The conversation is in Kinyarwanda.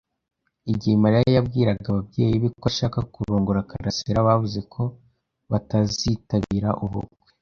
Igihe Mariya yabwiraga ababyeyi be ko ashaka kurongora karasira, bavuze ko batazitabira ubukwe.